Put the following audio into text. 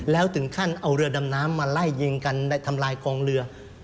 แล้วถึงขั้นเอาเรือดำน้ำมาไล่ยิงกันทำลายกองเรือ